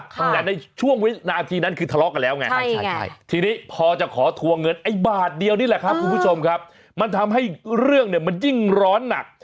ตอนนี้มันจะท้อนบาทเพิ่มหนึ่งเงใช่